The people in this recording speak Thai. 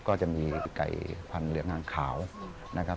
ก็จะมีไก่พันธุ์เหลืองอ่างขาวนะครับ